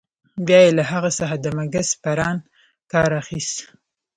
بیا يې له هغه څخه د مګس پران کار اخیست.